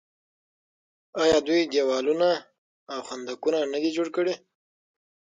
آیا دوی دیوالونه او خندقونه نه دي جوړ کړي؟